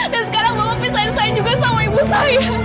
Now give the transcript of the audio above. dan sekarang bapak pisahin saya juga sama ibu saya